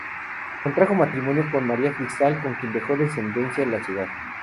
Contrajo matrimonio con María Cristal, con quien dejó descendencia en la ciudad.